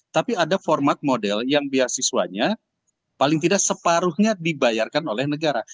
tapi ada format model yang beasiswanya paling tidak separuhnya dibayarkan oleh negara